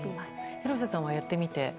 廣瀬さんは、やってみて。